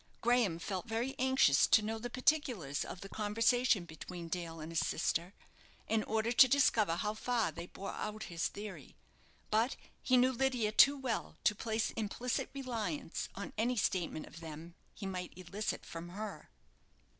Graham felt very anxious to know the particulars of the conversation between Dale and his sister, in order to discover how far they bore out his theory; but he knew Lydia too well to place implicit reliance on any statement of them he might elicit from her.